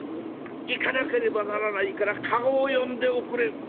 行かなければならないから駕籠を呼んでおくれ」。